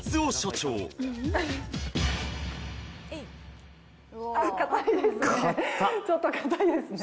ちょっとかたいですね